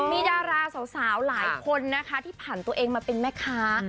มีดาราสาวหลายคนนะคะที่ผ่านตัวเองมาเป็นแม่ค้า